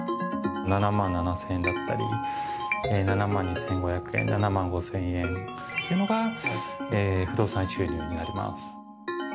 ７万２０００円だったり７万２５００円、７万５０００円というのが不動産収入になります。